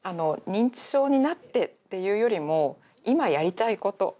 「認知症になって」っていうよりも今やりたいこと